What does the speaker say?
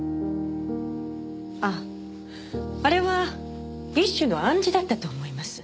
あっあれは一種の暗示だったと思います。